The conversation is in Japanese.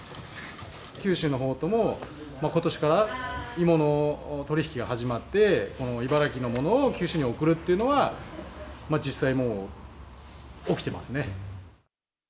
九州のほうとも、ことしから芋の取り引きが始まって、茨城のものを九州に送るというのは、実際もう起きてますね。